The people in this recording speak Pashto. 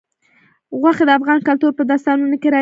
غوښې د افغان کلتور په داستانونو کې راځي.